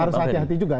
harus hati hati juga